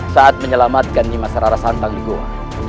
saat menyelamatkan nimasarara santang di goa